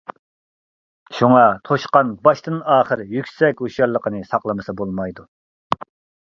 شۇڭا توشقان باشتىن-ئاخىر يۈكسەك ھوشيارلىقىنى ساقلىمىسا بولمايدۇ.